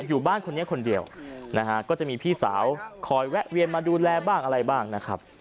อยู่บ้านคนนี้คนเดียวนะฮะก็จะมีพี่สาวคอยแวะเวียนมาดูแลบ้างอะไรบ้างนะครับ